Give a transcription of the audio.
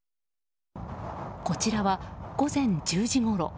こちらは、午前１０時ごろ。